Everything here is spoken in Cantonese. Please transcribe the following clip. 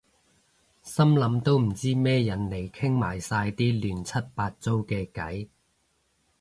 心諗都唔知咩人嚟傾埋晒啲亂七八糟嘅偈